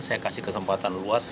saya kasih kesempatan luas